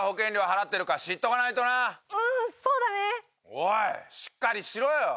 おいしっかりしろよ！